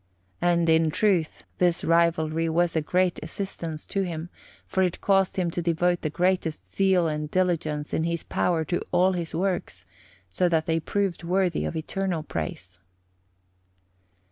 And, in truth, this rivalry was a great assistance to him, for it caused him to devote the greatest zeal and diligence in his power to all his works, so that they proved worthy of eternal praise.